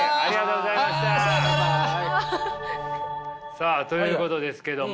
さあということですけども。